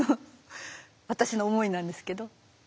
私の思いなんですけど。